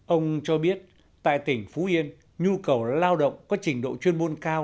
ông cho biết tại tỉnh phú yên nhu cầu lao động có trình độ chuyên môn cao